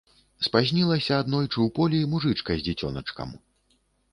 Спазнілася аднойчы ў полі мужычка з дзіцёначкам.